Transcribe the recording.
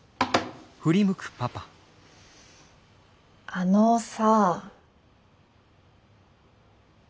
・・あのさ。